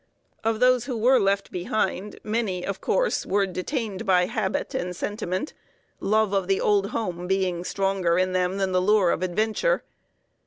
Of those who were left behind, many, of course, were detained by habit and sentiment, love of the old home being stronger in them than the lure of adventure.